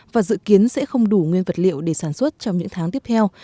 và dự kiến sẽ không đủ nguyên vật liệu để sản xuất trong những tháng tiếp theo